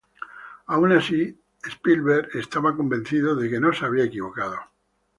Aun así, Spielberg estaba convencido de que no se había equivocado.